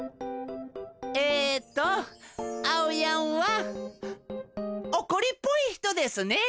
えとあおやんはおこりっぽい人ですね。